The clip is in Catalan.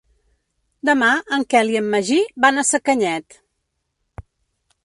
Demà en Quel i en Magí van a Sacanyet.